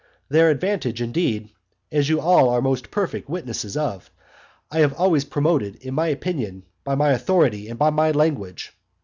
Their advantage indeed, as you all are most perfect witnesses of, I have always promoted by my opinion, by my authority, and by my language.